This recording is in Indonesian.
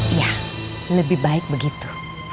iya lebih baik begitu